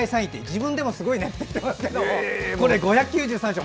自分でもすごいねって言ってますけど５９３試合